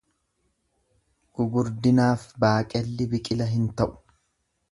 Gugurdinaaf baaqelli biqila hin ta'u.